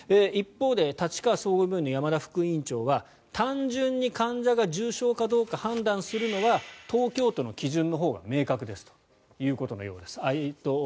一方で立川相互病院の山田副院長は単純に患者が重症かどうか判断するのは東京都の基準のほうが明確ですということのようです。